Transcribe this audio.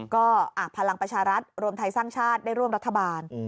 ก็พลังประชารัฐรวมไทยสร้างชาติได้ร่วมรัฐบาล